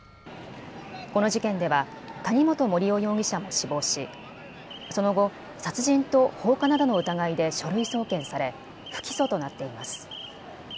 この事件では谷本盛雄容疑者も死亡しその後、殺人と放火などの疑いで書類送検され不起訴となっています。